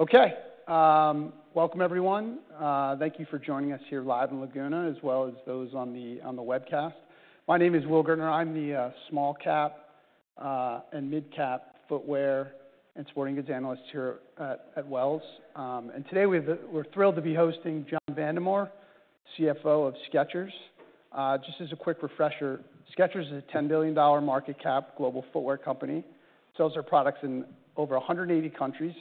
Okay, welcome everyone. Thank you for joining us here live in Laguna, as well as those on the webcast. My name is Will Gaertner. I'm the small cap and midcap footwear and sporting goods analyst here at Wells Fargo. And today we're thrilled to be hosting John Vandemore, CFO of Skechers. Just as a quick refresher, Skechers is a $10 billion market cap global footwear company, sells their products in over 180 countries,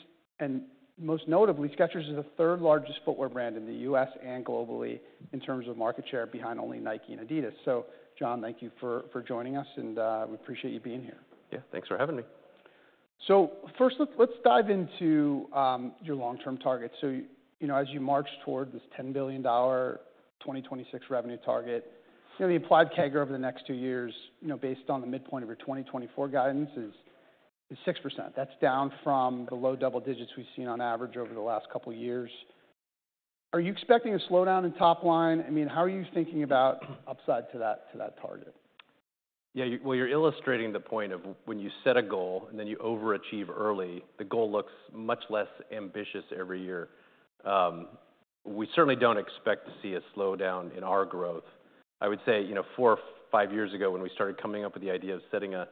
and most notably, Skechers is the third largest footwear brand in the U.S. and globally in terms of market share, behind only Nike and Adidas. So John, thank you for joining us, and we appreciate you being here. Yeah, thanks for having me. First, let's dive into your long-term targets. You know, as you march toward this $10 billion 2026 revenue target, you know, the implied CAGR over the next two years, you know, based on the midpoint of your 2024 guidance is 6%. That's down from the low double digits we've seen on average over the last couple years. Are you expecting a slowdown in top line? I mean, how are you thinking about upside to that target? Yeah, well, you're illustrating the point of when you set a goal and then you overachieve early, the goal looks much less ambitious every year. We certainly don't expect to see a slowdown in our growth. I would say, you know, four or five years ago, when we started coming up with the idea of setting a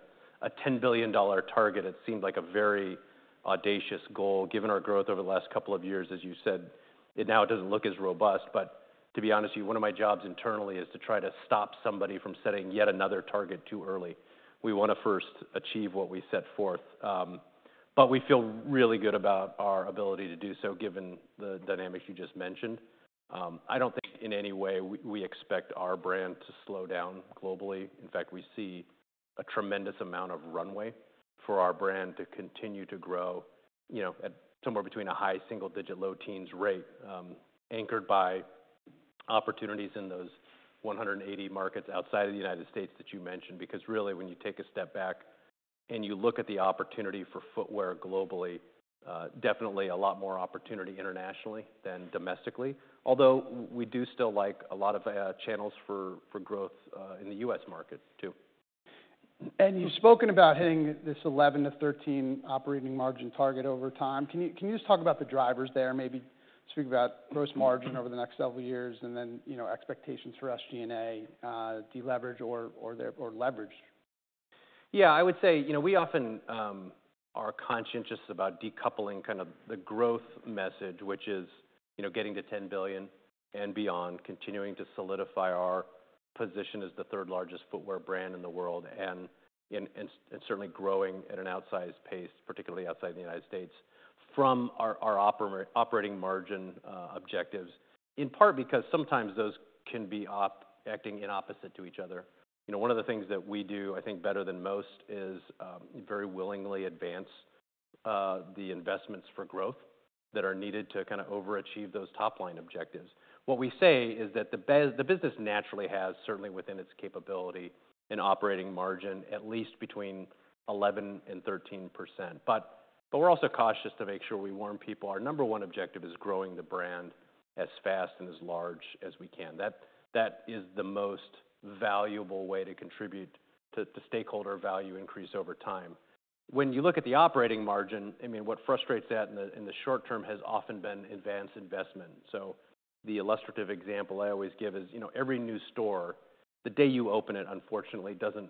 ten billion dollar target, it seemed like a very audacious goal, given our growth over the last couple of years. As you said, it now doesn't look as robust, but to be honest with you, one of my jobs internally is to try to stop somebody from setting yet another target too early. We want to first achieve what we set forth. But we feel really good about our ability to do so, given the dynamics you just mentioned. I don't think in any way we expect our brand to slow down globally. In fact, we see a tremendous amount of runway for our brand to continue to grow, you know, at somewhere between a high single digit, low teens rate, anchored by opportunities in those 180 markets outside of the United States that you mentioned. Because really, when you take a step back and you look at the opportunity for footwear globally, definitely a lot more opportunity internationally than domestically, although we do still like a lot of channels for growth in the U.S. market too. You've spoken about hitting this 11%-13% operating margin target over time. Can you just talk about the drivers there? Maybe speak about gross margin over the next several years and then, you know, expectations for SG&A, deleverage or leverage? Yeah, I would say, you know, we often are conscientious about decoupling kind of the growth message, which is, you know, getting to $10 billion and beyond, continuing to solidify our position as the third largest footwear brand in the world, and certainly growing at an outsized pace, particularly outside the United States, from our operating margin objectives. In part because sometimes those can be acting in opposite to each other. You know, one of the things that we do, I think, better than most is very willingly advance the investments for growth that are needed to kind of overachieve those top-line objectives. What we say is that the business naturally has, certainly within its capability, an operating margin at least between 11% and 13%. But we're also cautious to make sure we warn people our number one objective is growing the brand as fast and as large as we can. That is the most valuable way to contribute to the stakeholder value increase over time. When you look at the operating margin, I mean, what frustrates that in the short term has often been advanced investment. So the illustrative example I always give is, you know, every new store, the day you open it, unfortunately doesn't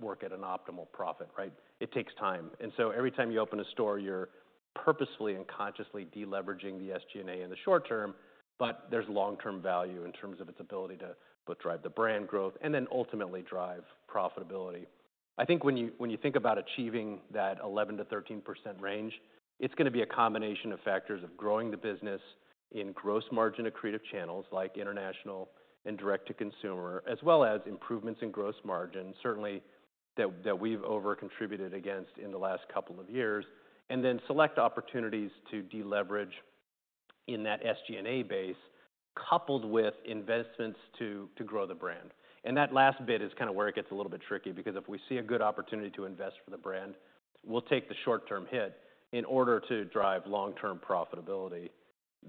work at an optimal profit, right? It takes time. And so every time you open a store, you're purposefully and consciously deleveraging the SG&A in the short term, but there's long-term value in terms of its ability to both drive the brand growth and then ultimately drive profitability. I think when you, when you think about achieving that 11%-13% range, it's going to be a combination of factors of growing the business in gross margin, accretive channels like international and direct to consumer, as well as improvements in gross margin, certainly, that, that we've over contributed against in the last couple of years, and then select opportunities to deleverage in that SG&A base, coupled with investments to, to grow the brand. That last bit is kind of where it gets a little bit tricky, because if we see a good opportunity to invest for the brand, we'll take the short-term hit in order to drive long-term profitability.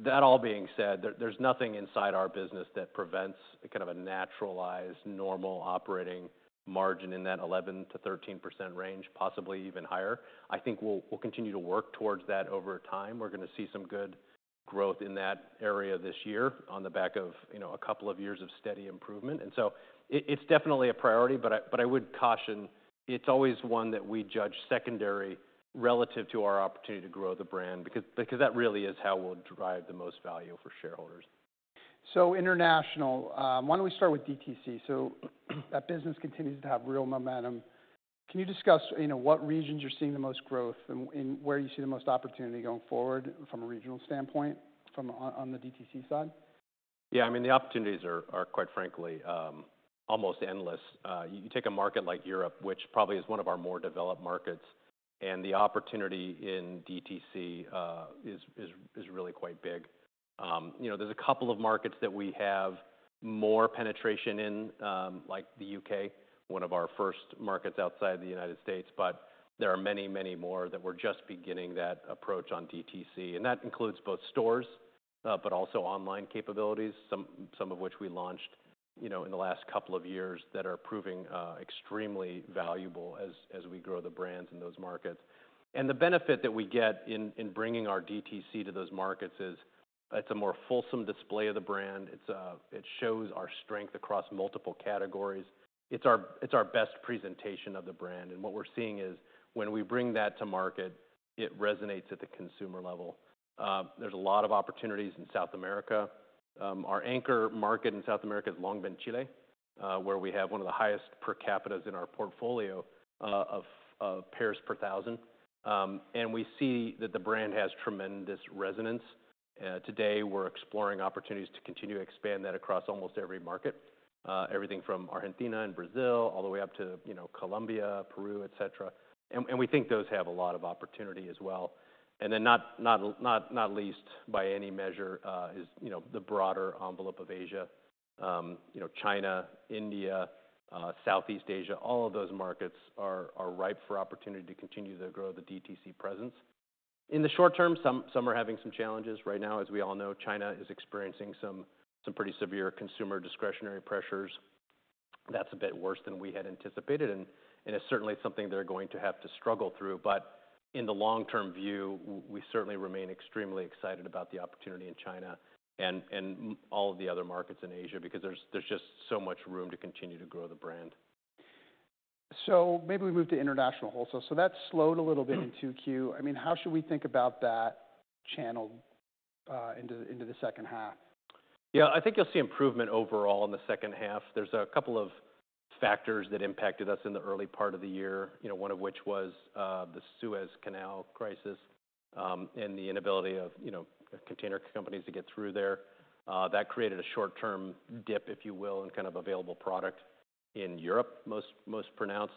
That all being said, there, there's nothing inside our business that prevents kind of a naturalized normal operating margin in that 11%-13% range, possibly even higher. I think we'll continue to work towards that over time. We're going to see some good growth in that area this year on the back of, you know, a couple of years of steady improvement. It's definitely a priority, but I would caution it's always one that we judge secondary relative to our opportunity to grow the brand, because that really is how we'll derive the most value for shareholders. So international, why don't we start with DTC? So that business continues to have real momentum. Can you discuss, you know, what regions you're seeing the most growth and where you see the most opportunity going forward from a regional standpoint, on the DTC side? Yeah, I mean, the opportunities are quite frankly almost endless. You take a market like Europe, which probably is one of our more developed markets, and the opportunity in DTC is really quite big. You know, there's a couple of markets that we have more penetration in, like the UK, one of our first markets outside the United States, but there are many, many more that we're just beginning that approach on DTC, and that includes both stores but also online capabilities, some of which we launched you know in the last couple of years that are proving extremely valuable as we grow the brands in those markets. And the benefit that we get in bringing our DTC to those markets is it's a more fulsome display of the brand. It shows our strength across multiple categories. It's our best presentation of the brand, and what we're seeing is when we bring that to market, it resonates at the consumer level. There's a lot of opportunities in South America. Our anchor market in South America has long been Chile, where we have one of the highest per capita in our portfolio, of pairs per thousand. And we see that the brand has tremendous resonance. Today, we're exploring opportunities to continue to expand that across almost every market, everything from Argentina and Brazil, all the way up to, you know, Colombia, Peru, et cetera. And we think those have a lot of opportunity as well. And then not least by any measure, is, you know, the broader envelope of Asia. You know, China, India, Southeast Asia, all of those markets are ripe for opportunity to continue to grow the DTC presence. In the short term, some are having some challenges right now. As we all know, China is experiencing some pretty severe consumer discretionary pressures. That's a bit worse than we had anticipated, and it's certainly something they're going to have to struggle through, but in the long-term view, we certainly remain extremely excited about the opportunity in China and all of the other markets in Asia, because there's just so much room to continue to grow the brand. So maybe we move to international wholesale. So that slowed a little bit in 2Q. I mean, how should we think about that channel into the second half? Yeah, I think you'll see improvement overall in the second half. There's a couple of factors that impacted us in the early part of the year, you know, one of which was the Suez Canal crisis, and the inability of container companies to get through there. That created a short-term dip, if you will, in kind of available product in Europe, most pronounced.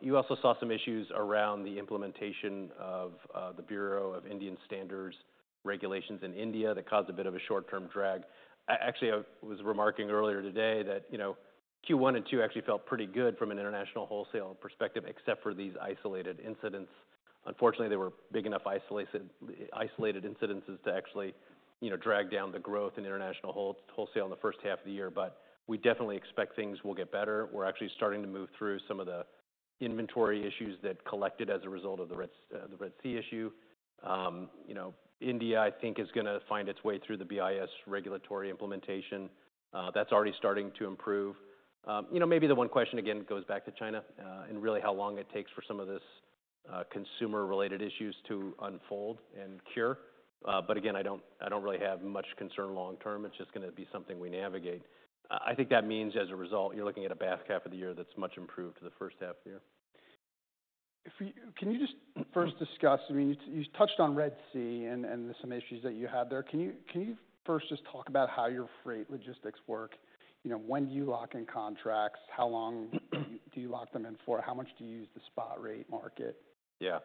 You also saw some issues around the implementation of the Bureau of Indian Standards regulations in India that caused a bit of a short-term drag. Actually, I was remarking earlier today that, you know, Q1 and Q2 actually felt pretty good from an international wholesale perspective, except for these isolated incidents. Unfortunately, they were big enough isolated incidences to actually, you know, drag down the growth in international wholesale in the first half of the year, but we definitely expect things will get better. We're actually starting to move through some of the inventory issues that collected as a result of the Red Sea issue. You know, India, I think, is gonna find its way through the BIS regulatory implementation. That's already starting to improve. You know, maybe the one question again goes back to China, and really how long it takes for some of this consumer-related issues to unfold and cure. But again, I don't, I don't really have much concern long term. It's just gonna be something we navigate. I think that means, as a result, you're looking at a back half of the year that's much improved to the first half of the year. Can you just first discuss, I mean, you touched on Red Sea and some issues that you had there. Can you first just talk about how your freight logistics work? You know, when do you lock in contracts? How long do you lock them in for? How much do you use the spot rate market? Yeah.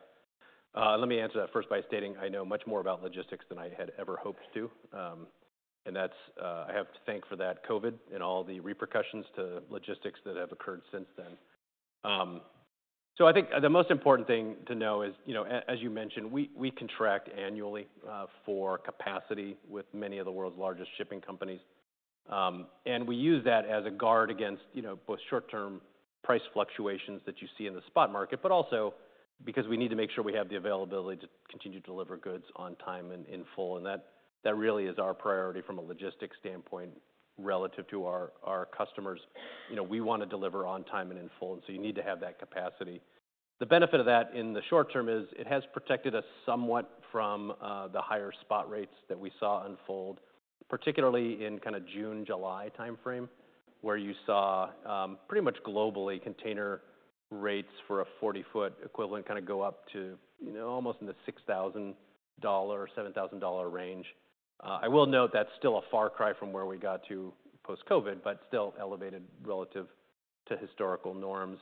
Let me answer that first by stating I know much more about logistics than I had ever hoped to, and I have to thank COVID for that and all the repercussions to logistics that have occurred since then. So I think the most important thing to know is, you know, as you mentioned, we contract annually for capacity with many of the world's largest shipping companies. And we use that as a guard against, you know, both short-term price fluctuations that you see in the spot market, but also because we need to make sure we have the availability to continue to deliver goods on time and in full, and that really is our priority from a logistics standpoint, relative to our customers. You know, we wanna deliver on time and in full, and so you need to have that capacity. The benefit of that in the short term is it has protected us somewhat from the higher spot rates that we saw unfold, particularly in kinda June, July timeframe, where you saw pretty much globally, container rates for a forty-foot equivalent kinda go up to, you know, almost in the $6,000-$7,000 range. I will note that's still a far cry from where we got to post-COVID, but still elevated relative to historical norms.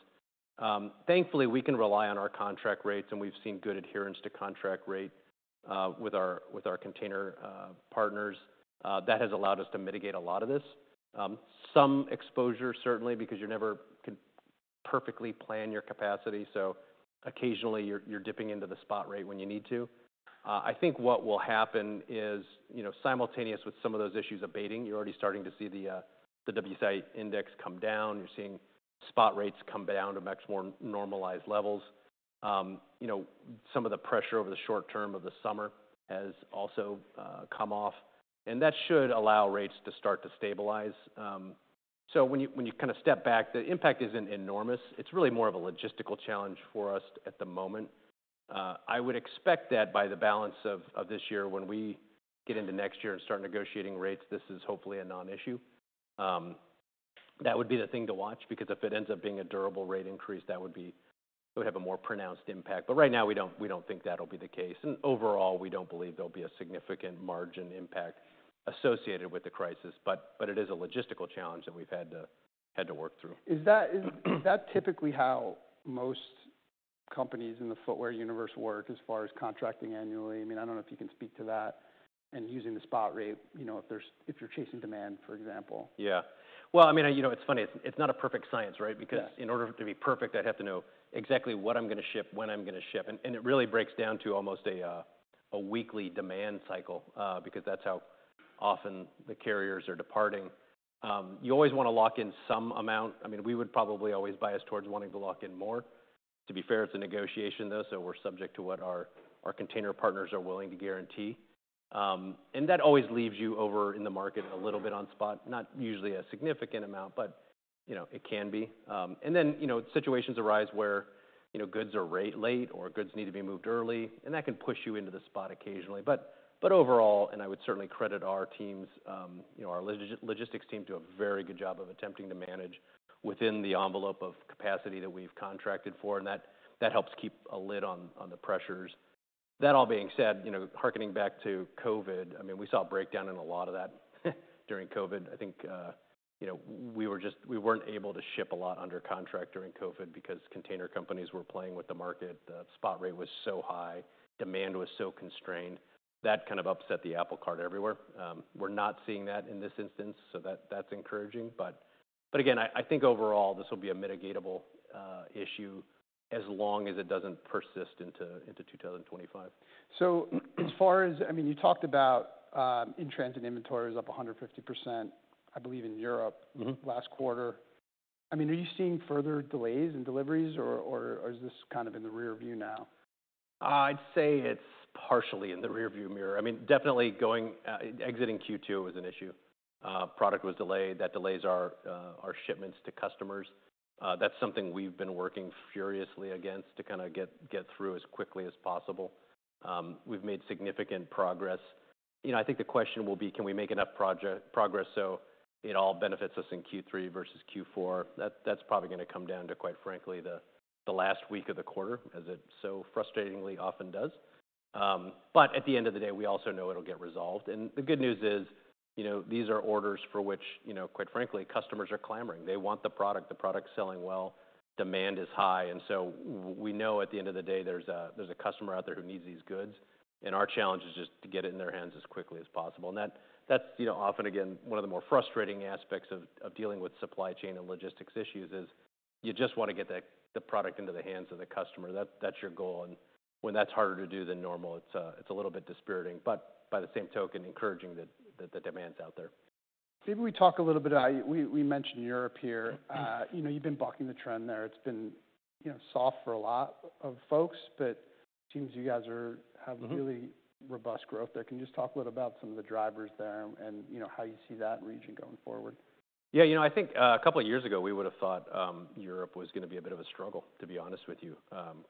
Thankfully, we can rely on our contract rates, and we've seen good adherence to contract rate with our container partners. That has allowed us to mitigate a lot of this. Some exposure, certainly, because you never can perfectly plan your capacity, so occasionally, you're dipping into the spot rate when you need to. I think what will happen is, you know, simultaneous with some of those issues abating, you're already starting to see the WCI index come down. You're seeing spot rates come down to much more normalized levels. You know, some of the pressure over the short term of the summer has also come off, and that should allow rates to start to stabilize. So when you kind of step back, the impact isn't enormous. It's really more of a logistical challenge for us at the moment. I would expect that by the balance of this year, when we get into next year and start negotiating rates, this is hopefully a non-issue. That would be the thing to watch, because if it ends up being a durable rate increase, that would have a more pronounced impact. But right now, we don't think that'll be the case, and overall, we don't believe there'll be a significant margin impact associated with the crisis, but it is a logistical challenge that we've had to work through. Is that, is that typically how most companies in the footwear universe work as far as contracting annually? I mean, I don't know if you can speak to that, and using the spot rate, you know, if there's, if you're chasing demand, for example. Yeah. Well, I mean, you know, it's funny, it's not a perfect science, right? Yeah. Because in order for it to be perfect, I'd have to know exactly what I'm gonna ship, when I'm gonna ship, and, and it really breaks down to almost a weekly demand cycle, because that's how often the carriers are departing. You always want to lock in some amount. I mean, we would probably always bias towards wanting to lock in more. To be fair, it's a negotiation, though, so we're subject to what our container partners are willing to guarantee. And that always leaves you over in the market a little bit on spot. Not usually a significant amount, but, you know, it can be. And then, you know, situations arise where, you know, goods are late or goods need to be moved early, and that can push you into the spot occasionally. But overall, and I would certainly credit our teams, you know, our logistics team do a very good job of attempting to manage within the envelope of capacity that we've contracted for, and that helps keep a lid on the pressures. That all being said, you know, hearkening back to COVID, I mean, we saw a breakdown in a lot of that during COVID. I think, you know, we weren't able to ship a lot under contract during COVID because container companies were playing with the market. The spot rate was so high, demand was so constrained. That kind of upset the apple cart everywhere. We're not seeing that in this instance, so that's encouraging. But again, I think overall, this will be a mitigatable issue as long as it doesn't persist into 2025. As far as I mean, you talked about, in-transit inventory is up 150%, I believe, in Europe. Last quarter. I mean, are you seeing further delays in deliveries, or, is this kind of in the rearview now? I'd say it's partially in the rearview mirror. I mean, definitely going, exiting Q2 was an issue. Product was delayed. That delays our shipments to customers. That's something we've been working furiously against to kind of get through as quickly as possible. We've made significant progress. You know, I think the question will be, Can we make enough progress, so it all benefits us in Q3 versus Q4? That's probably gonna come down to, quite frankly, the last week of the quarter, as it so frustratingly often does. But at the end of the day, we also know it'll get resolved. And the good news is, you know, these are orders for which, you know, quite frankly, customers are clamoring. They want the product. The product's selling well, demand is high, and so we know at the end of the day, there's a customer out there who needs these goods, and our challenge is just to get it in their hands as quickly as possible. And that, that's, you know, often, again, one of the more frustrating aspects of dealing with supply chain and logistics issues is you just want to get the product into the hands of the customer. That's your goal, and when that's harder to do than normal, it's a little bit dispiriting, but by the same token, encouraging that the demand's out there. Maybe we talk a little bit about how... We mentioned Europe here. You know, you've been bucking the trend there. It's been, you know, soft for a lot of folks, but it seems you guys are have really robust growth there. Can you just talk a little about some of the drivers there and, you know, how you see that region going forward? Yeah, you know, I think a couple of years ago, we would've thought Europe was gonna be a bit of a struggle, to be honest with you.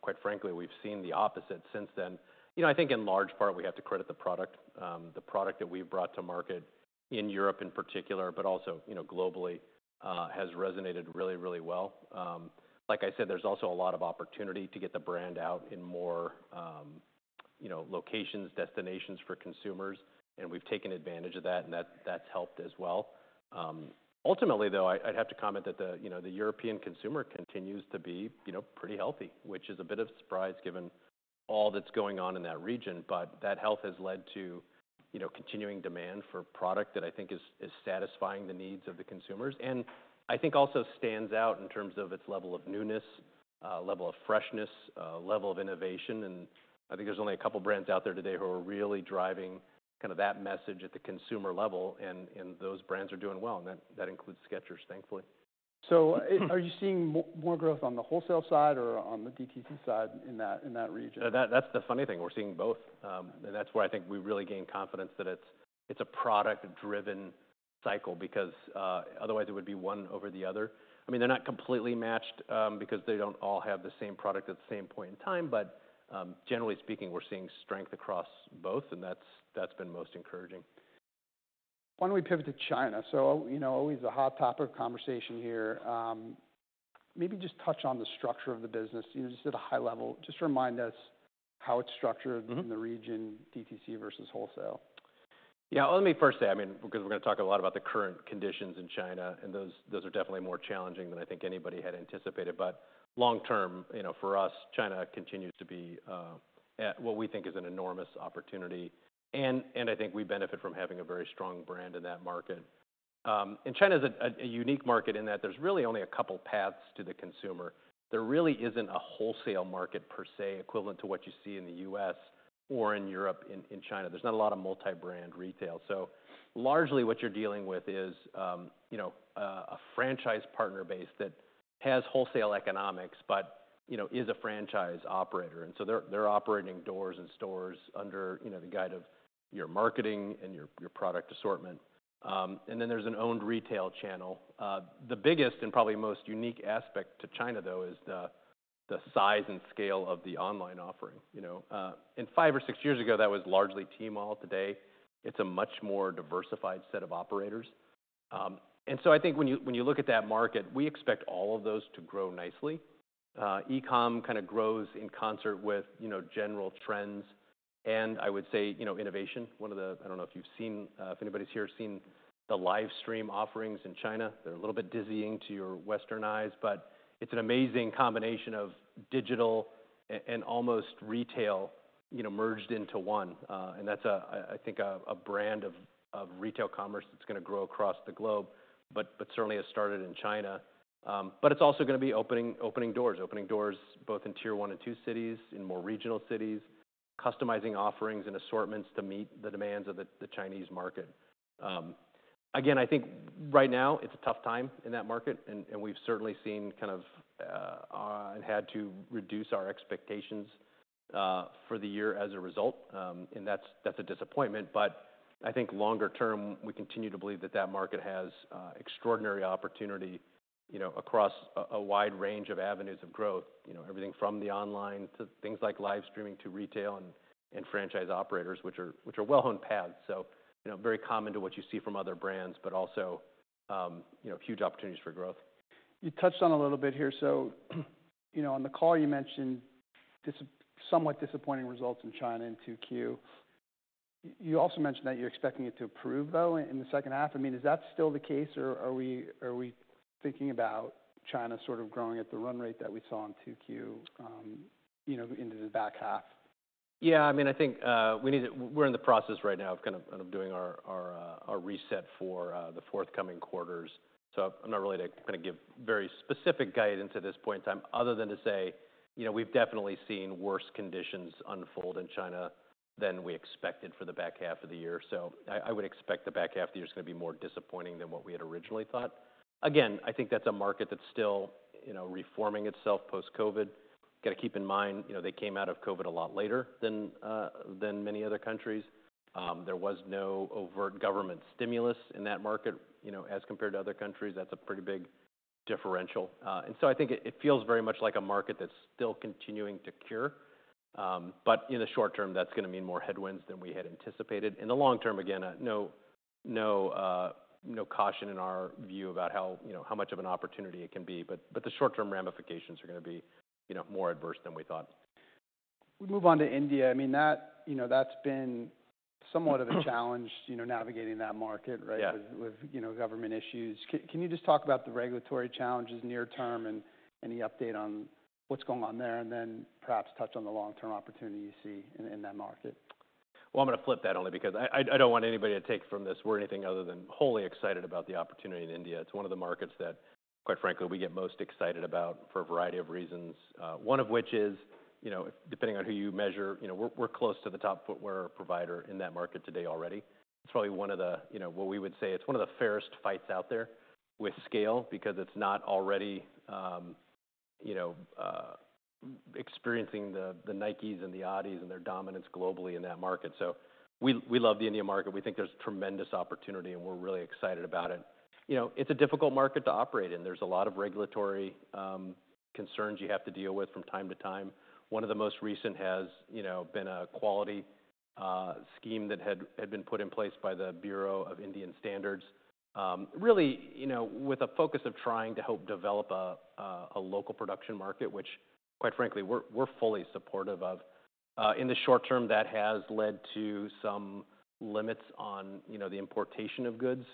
Quite frankly, we've seen the opposite since then. You know, I think in large part, we have to credit the product. The product that we've brought to market in Europe in particular, but also, you know, globally, has resonated really, really well. Like I said, there's also a lot of opportunity to get the brand out in more, you know, locations, destinations for consumers, and we've taken advantage of that, and that, that's helped as well. Ultimately, though, I, I'd have to comment that the, you know, the European consumer continues to be, you know, pretty healthy, which is a bit of a surprise, given all that's going on in that region. But that health has led to, you know, continuing demand for product that I think is satisfying the needs of the consumers. And I think also stands out in terms of its level of newness, level of freshness, level of innovation, and I think there's only a couple of brands out there today who are really driving kind of that message at the consumer level, and those brands are doing well, and that includes Skechers, thankfully. Are you seeing more growth on the wholesale side or on the DTC side in that region? That's the funny thing, we're seeing both. And that's where I think we really gain confidence that it's a product-driven cycle because otherwise it would be one over the other. I mean, they're not completely matched because they don't all have the same product at the same point in time. But generally speaking, we're seeing strength across both, and that's been most encouraging. Why don't we pivot to China? So, you know, always a hot topic of conversation here. Maybe just touch on the structure of the business, you know, just at a high level. Just remind us how it's structured in the region, DTC versus wholesale. Yeah. Well, let me first say, I mean, because we're gonna talk a lot about the current conditions in China, and those are definitely more challenging than I think anybody had anticipated. But long term, you know, for us, China continues to be at what we think is an enormous opportunity, and I think we benefit from having a very strong brand in that market. And China is a unique market in that there's really only a couple paths to the consumer. There really isn't a wholesale market per se, equivalent to what you see in the US or in Europe, in China. There's not a lot of multi-brand retail. So largely what you're dealing with is, you know, a franchise partner base that has wholesale economics, but, you know, is a franchise operator, and so they're operating doors and stores under, you know, the guise of your marketing and your product assortment, and then there's an owned retail channel. The biggest and probably most unique aspect to China, though, is the size and scale of the online offering, you know, and five or six years ago, that was largely Tmall. Today, it's a much more diversified set of operators, and so I think when you look at that market, we expect all of those to grow nicely. E-com kind of grows in concert with, you know, general trends, and I would say, you know, innovation, one of the... I don't know if you've seen, if anybody's here, has seen the livestream offerings in China. They're a little bit dizzying to your Western eyes, but it's an amazing combination of digital and almost retail, you know, merged into one. And that's a, I think, a brand of retail commerce that's gonna grow across the globe, but certainly has started in China. But it's also gonna be opening doors. Opening doors both in Tier One and Tier Two cities, in more regional cities.... customizing offerings and assortments to meet the demands of the Chinese market. Again, I think right now it's a tough time in that market, and we've certainly seen kind of had to reduce our expectations for the year as a result. And that's a disappointment. But I think longer term, we continue to believe that that market has extraordinary opportunity, you know, across a wide range of avenues of growth. You know, everything from the online to things like live streaming, to retail and franchise operators, which are well-owned paths. So, you know, very common to what you see from other brands, but also, you know, huge opportunities for growth. You touched on a little bit here, so, you know, on the call you mentioned somewhat disappointing results in China in 2Q. You also mentioned that you're expecting it to improve, though, in the second half. I mean, is that still the case, or are we thinking about China sort of growing at the run rate that we saw in 2Q, you know, into the back half? Yeah, I mean, I think we're in the process right now of kind of doing our reset for the forthcoming quarters. So I'm not ready to kind of give very specific guidance at this point in time, other than to say, you know, we've definitely seen worse conditions unfold in China than we expected for the back half of the year. So I would expect the back half of the year is gonna be more disappointing than what we had originally thought. Again, I think that's a market that's still, you know, reforming itself post-COVID. Got to keep in mind, you know, they came out of COVID a lot later than many other countries. There was no overt government stimulus in that market, you know, as compared to other countries. That's a pretty big differential. And so I think it feels very much like a market that's still continuing to cure. But in the short term, that's gonna mean more headwinds than we had anticipated. In the long term, again, no caution in our view about how, you know, how much of an opportunity it can be, but the short-term ramifications are gonna be, you know, more adverse than we thought. We move on to India. I mean, that, you know, that's been somewhat of a challenge, you know, navigating that market, right? Yeah. With you know, government issues. Can you just talk about the regulatory challenges near term and any update on what's going on there? And then perhaps touch on the long-term opportunity you see in that market. I'm gonna flip that only because I don't want anybody to take from this word anything other than wholly excited about the opportunity in India. It's one of the markets that, quite frankly, we get most excited about for a variety of reasons. One of which is, you know, depending on who you measure, you know, we're close to the top footwear provider in that market today already. It's probably one of the... You know, what we would say, it's one of the fairest fights out there with scale, because it's not already, you know, experiencing the Nikes and the Adidas and their dominance globally in that market. So we love the India market. We think there's tremendous opportunity, and we're really excited about it. You know, it's a difficult market to operate in. There's a lot of regulatory concerns you have to deal with from time to time. One of the most recent has, you know, been a quality scheme that had been put in place by the Bureau of Indian Standards. Really, you know, with a focus of trying to help develop a local production market, which, quite frankly, we're fully supportive of. In the short term, that has led to some limits on, you know, the importation of goods,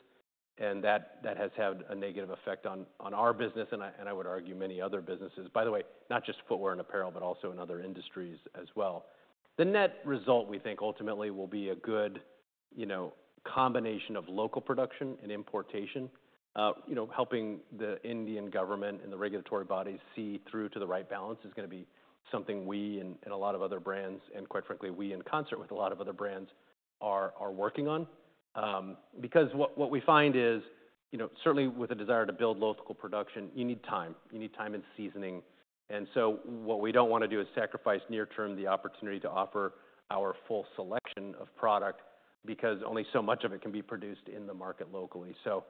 and that has had a negative effect on our business, and I would argue many other businesses. By the way, not just footwear and apparel, but also in other industries as well. The net result, we think, ultimately will be a good, you know, combination of local production and importation. You know, helping the Indian government and the regulatory bodies see through to the right balance is gonna be something we and a lot of other brands, and quite frankly, we in concert with a lot of other brands, are working on. Because what we find is, you know, certainly with a desire to build local production, you need time. You need time and seasoning. And so what we don't wanna do is sacrifice near-term the opportunity to offer our full selection of product, because only so much of it can be produced in the market locally. So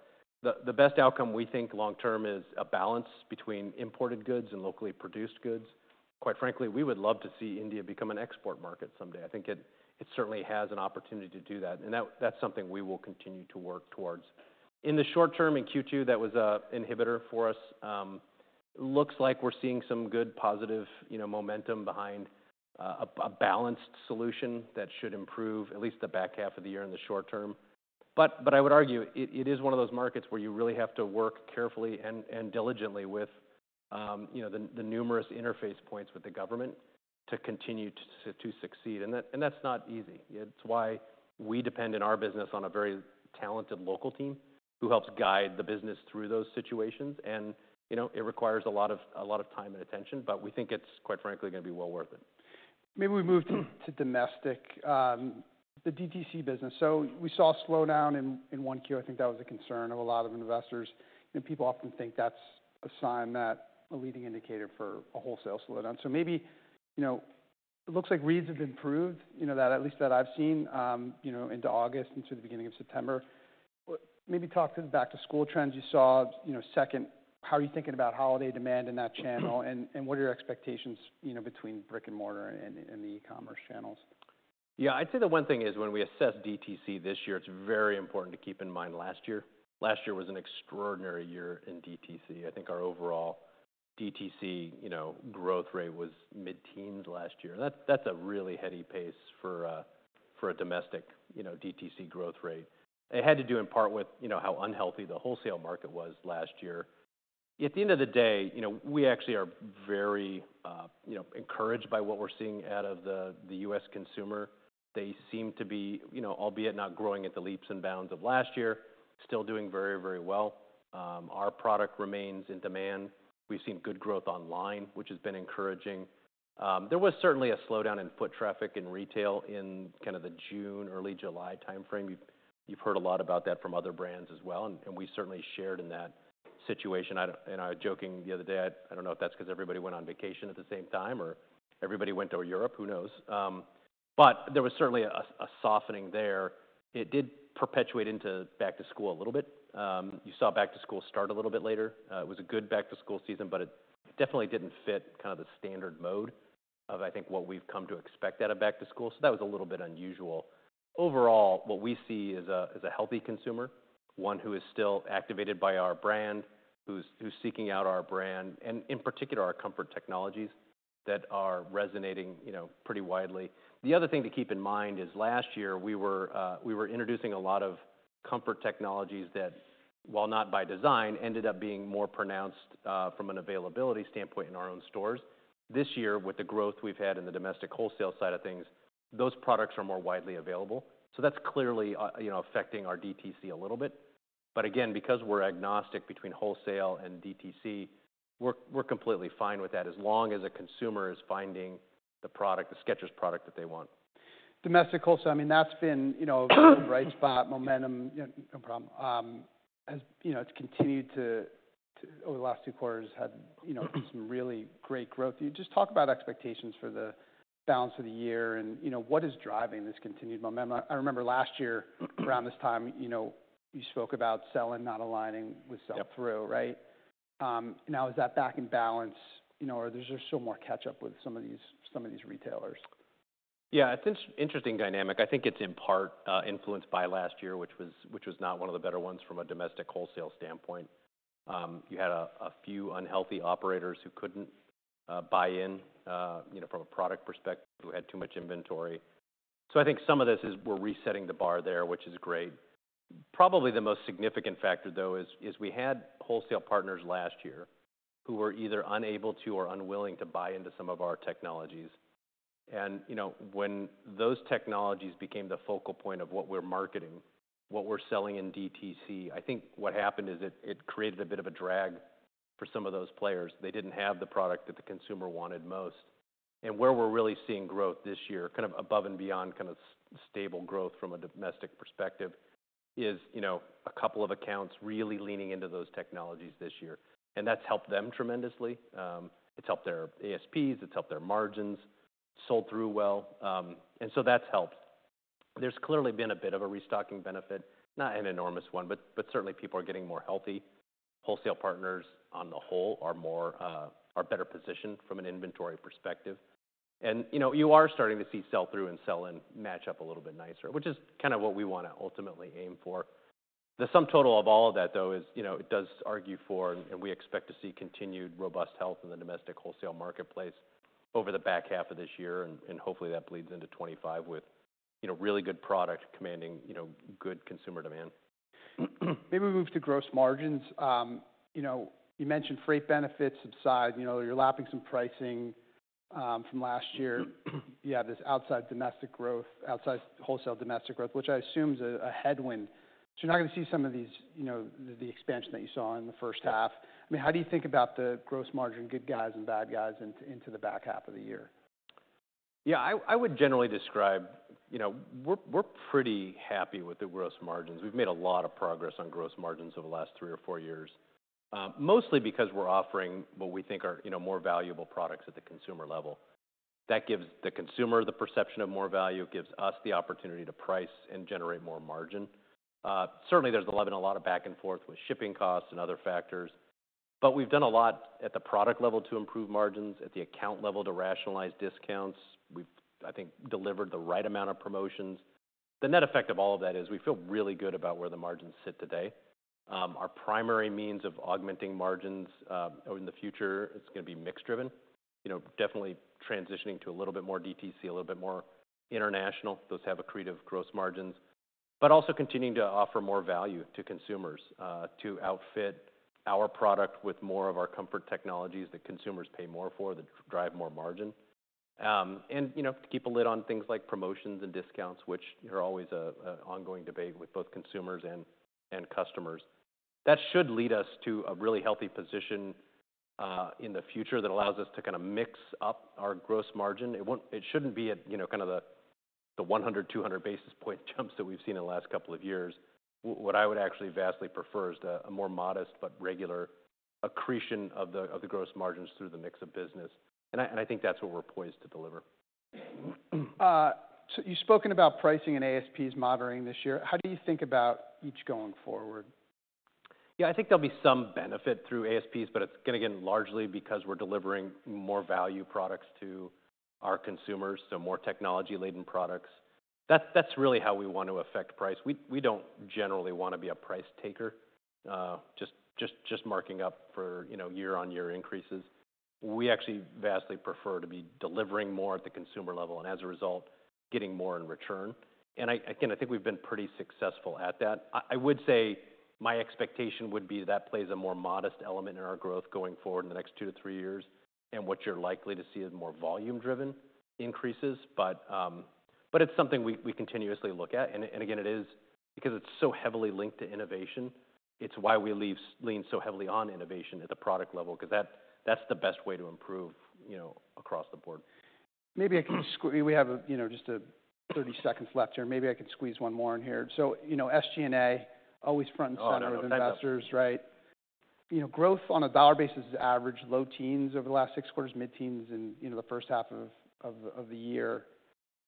the best outcome, we think, long term, is a balance between imported goods and locally produced goods. Quite frankly, we would love to see India become an export market someday. I think it certainly has an opportunity to do that, and that's something we will continue to work towards. In the short term, in Q2, that was an inhibitor for us. Looks like we're seeing some good positive, you know, momentum behind a balanced solution that should improve at least the back half of the year in the short term. But I would argue, it is one of those markets where you really have to work carefully and diligently with, you know, the numerous interface points with the government to continue to succeed. That's not easy. It's why we depend in our business on a very talented local team who helps guide the business through those situations. You know, it requires a lot of, a lot of time and attention, but we think it's, quite frankly, gonna be well worth it. Maybe we move to domestic, the DTC business. So we saw a slowdown in 1Q. I think that was a concern of a lot of investors, and people often think that's a sign that a leading indicator for a wholesale slowdown. So maybe, you know, it looks like reads have improved, you know, that at least I've seen, you know, into August and to the beginning of September. Maybe talk to the back-to-school trends you saw, you know, second, how are you thinking about holiday demand in that channel? And what are your expectations, you know, between brick-and-mortar and the e-commerce channels? Yeah, I'd say the one thing is, when we assess DTC this year, it's very important to keep in mind last year. Last year was an extraordinary year in DTC. I think our overall DTC, you know, growth rate was mid-teens last year. That's a really heady pace for a domestic, you know, DTC growth rate. It had to do in part with, you know, how unhealthy the wholesale market was last year. At the end of the day, you know, we actually are very, you know, encouraged by what we're seeing out of the U.S. consumer. They seem to be, you know, albeit not growing at the leaps and bounds of last year, still doing very, very well. Our product remains in demand. We've seen good growth online, which has been encouraging. There was certainly a slowdown in foot traffic in retail in kind of the June, early July time frame. You've heard a lot about that from other brands as well, and we certainly shared in that situation. I was joking the other day. I don't know if that's because everybody went on vacation at the same time or everybody went to Europe, who knows, but there was certainly a softening there. It did perpetuate into back-to-school a little bit. You saw back-to-school start a little bit later. It was a good back-to-school season, but it definitely didn't fit kind of the standard mode of, I think, what we've come to expect out of back-to-school, so that was a little bit unusual. Overall, what we see is a healthy consumer, one who is still activated by our brand, who's seeking out our brand, and in particular, our comfort technologies that are resonating, you know, pretty widely. The other thing to keep in mind is last year we were introducing a lot of comfort technologies that, while not by design, ended up being more pronounced from an availability standpoint in our own stores. This year, with the growth we've had in the domestic wholesale side of things, those products are more widely available, so that's clearly, you know, affecting our DTC a little bit. But again, because we're agnostic between wholesale and DTC, we're completely fine with that as long as the consumer is finding the product, the Skechers product that they want. Domestic wholesale, I mean, that's been, you know, the right spot, momentum. You know, no problem. As you know, it's continued to over the last two quarters had, you know, some really great growth. Can you just talk about expectations for the balance of the year and, you know, what is driving this continued momentum? I remember last year, around this time, you know, you spoke about sell-in not aligning with sell-through- Yep. Right? Now, is that back in balance, you know, or is there still more catch up with some of these retailers? Yeah, it's an interesting dynamic. I think it's in part influenced by last year, which was not one of the better ones from a domestic wholesale standpoint. You had a few unhealthy operators who couldn't buy in, you know, from a product perspective, who had too much inventory. So I think some of this is we're resetting the bar there, which is great. Probably the most significant factor, though, is we had wholesale partners last year who were either unable to or unwilling to buy into some of our technologies. And, you know, when those technologies became the focal point of what we're marketing, what we're selling in DTC, I think what happened is it created a bit of a drag for some of those players. They didn't have the product that the consumer wanted most. Where we're really seeing growth this year, kind of above and beyond, kind of stable growth from a domestic perspective, is, you know, a couple of accounts really leaning into those technologies this year, and that's helped them tremendously. It's helped their ASPs, it's helped their margins, sold through well, and so that's helped. There's clearly been a bit of a restocking benefit, not an enormous one, but certainly, people are getting more healthy. Wholesale partners, on the whole, are more, are better positioned from an inventory perspective. You know, you are starting to see sell-through and sell-in match up a little bit nicer, which is kind of what we want to ultimately aim for. The sum total of all of that, though, is, you know, it does argue for, and we expect to see continued robust health in the domestic wholesale marketplace over the back half of this year. And hopefully that bleeds into 2025 with, you know, really good product commanding, you know, good consumer demand. Maybe we move to gross margins. You know, you mentioned freight benefits subside. You know, you're lapping some pricing from last year. You have this outside wholesale domestic growth, which I assume is a headwind. So you're not gonna see some of these, you know, the expansion that you saw in the first half. I mean, how do you think about the gross margin, good guys and bad guys, into the back half of the year? Yeah, I would generally describe, you know, we're pretty happy with the gross margins. We've made a lot of progress on gross margins over the last three or four years, mostly because we're offering what we think are, you know, more valuable products at the consumer level. That gives the consumer the perception of more value, it gives us the opportunity to price and generate more margin. Certainly, there's been a lot of back and forth with shipping costs and other factors, but we've done a lot at the product level to improve margins, at the account level to rationalize discounts. We've, I think, delivered the right amount of promotions. The net effect of all of that is we feel really good about where the margins sit today. Our primary means of augmenting margins in the future, it's gonna be mix-driven. You know, definitely transitioning to a little bit more DTC, a little bit more international. Those have accretive gross margins, but also continuing to offer more value to consumers, to outfit our product with more of our comfort technologies that consumers pay more for, that drive more margin. And, you know, to keep a lid on things like promotions and discounts, which are always an ongoing debate with both consumers and customers. That should lead us to a really healthy position, in the future that allows us to kind of mix up our gross margin. It shouldn't be at, you know, kind of the one hundred, two hundred basis point jumps that we've seen in the last couple of years. What I would actually vastly prefer is a more modest but regular accretion of the gross margins through the mix of business, and I think that's what we're poised to deliver. So you've spoken about pricing and ASPs moderating this year. How do you think about each going forward? Yeah, I think there'll be some benefit through ASPs, but it's gonna... again, largely because we're delivering more value products to our consumers, so more technology-laden products. That's really how we want to affect price. We don't generally want to be a price taker, just marking up for, you know, year-on-year increases. We actually vastly prefer to be delivering more at the consumer level, and as a result, getting more in return. And again, I think we've been pretty successful at that. I would say my expectation would be that plays a more modest element in our growth going forward in the next two to three years, and what you're likely to see is more volume-driven increases. But it's something we continuously look at, and again, it is because it's so heavily linked to innovation-...It's why we lean so heavily on innovation at the product level, because that, that's the best way to improve, you know, across the board. Maybe I can squeeze. We have, you know, just thirty seconds left here. Maybe I can squeeze one more in here. So, you know, SG&A, always front and center- Oh, I know. With investors, right? You know, growth on a dollar basis is average, low teens over the last six quarters, mid-teens in, you know, the first half of the year.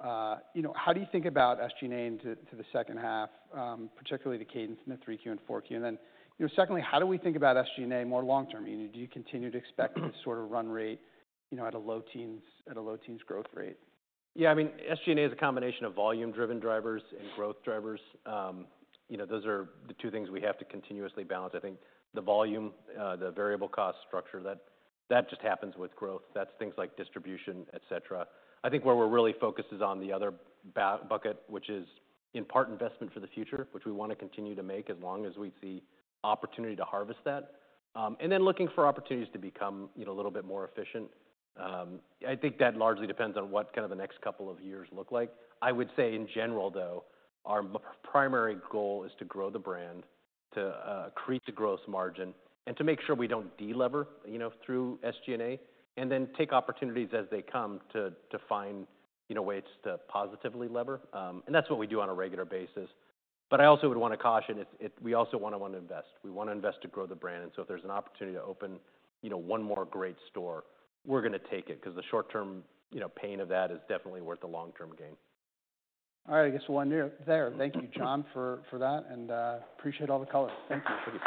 You know, how do you think about SG&A into the second half, particularly the cadence in 3Q and 4Q? And then, you know, secondly, how do we think about SG&A more long term? Do you continue to expect this sort of run rate, you know, at a low teens growth rate? Yeah, I mean, SG&A is a combination of volume-driven drivers and growth drivers. You know, those are the two things we have to continuously balance. I think the volume, the variable cost structure, that just happens with growth. That's things like distribution, et cetera. I think where we're really focused is on the other bucket, which is in part investment for the future, which we want to continue to make as long as we see opportunity to harvest that. And then looking for opportunities to become, you know, a little bit more efficient. I think that largely depends on what kind of the next couple of years look like. I would say in general, though, our primary goal is to grow the brand, to create the gross margin, and to make sure we don't delever, you know, through SG&A, and then take opportunities as they come to find, you know, ways to positively lever. And that's what we do on a regular basis. But I also would want to caution. We also want to invest. We want to invest to grow the brand, and so if there's an opportunity to open, you know, one more great store, we're gonna take it, because the short-term, you know, pain of that is definitely worth the long-term gain. All right, I guess we'll end it there. Thank you, John, for that, and appreciate all the color. Thank you.